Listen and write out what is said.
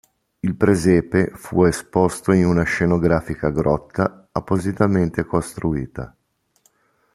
Il presepe fu esposto in una scenografica grotta appositamente costruita.